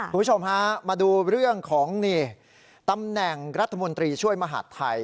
คุณผู้ชมฮะมาดูเรื่องของนี่ตำแหน่งรัฐมนตรีช่วยมหาดไทย